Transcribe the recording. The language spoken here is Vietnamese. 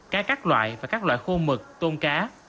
cá các loại và các loại khô mực tôm cá